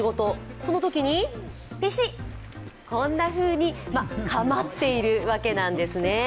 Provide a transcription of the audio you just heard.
そのときにペシッこんなふうにかまっているわけなんですよ。